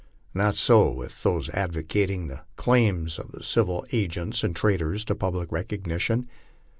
Not so with those advocating the claims of the civil agents and traders to public recognition.